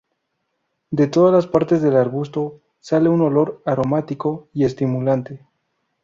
De todas las partes del arbusto sale un olor aromático y estimulante.